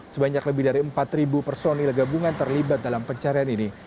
sebanyak lebih dari empat personil gabungan terlibat dalam pencarian ini